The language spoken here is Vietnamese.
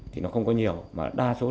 thì nó không có nhiều mà đa số